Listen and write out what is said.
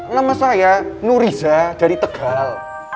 nama saya nuriza dari tegal